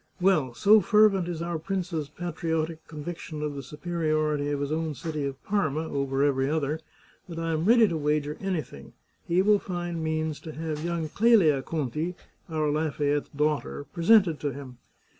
Well, so fervent is our prince's patriotic conviction of the superiority of his own city of Parma over every other, that I am ready to wager any thing he will find means to have young Clelia Conti, our Lafayette's daughter, presented to him.